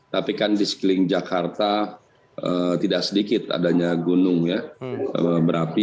tapi kan di sekeliling jakarta tidak sedikit adanya gunung ya berapi